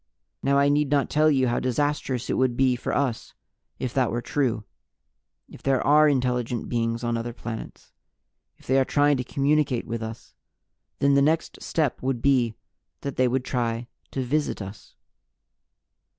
"Now, I need not tell you how disastrous it would be for us if that were true. If there are intelligent beings on other planets, if they are trying to communicate with us, then the next step would be that they would try to visit us."